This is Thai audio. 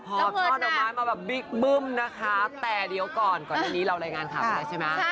พอช่อดอกไม้มาแบบบิ๊กบึ้มนะคะแต่เดี๋ยวก่อนก่อนอันนี้เรารายงานข่าวไปแล้วใช่ไหม